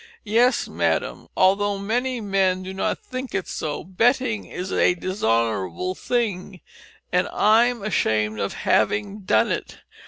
Yes, madam, although many men do not think it so, betting is a dishonourable thing, and I'm ashamed of having done it.